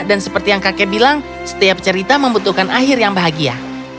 dan seperti yang kakek bilang setiap cerita membutuhkan akhir yang bahagia